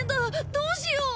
どうしよう？